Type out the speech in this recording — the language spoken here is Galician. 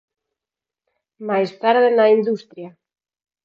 Máis tarde na industria.